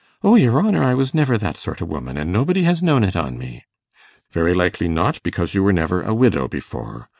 'O, your honour, I was never that sort o' woman, an' nobody has known it on me.' 'Very likely not, because you were never a widow before.